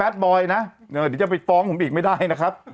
บอยนะเดี๋ยวจะไปฟ้องผมอีกไม่ได้นะครับ